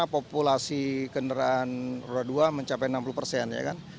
populasi kendaraan roda dua mencapai enam puluh persen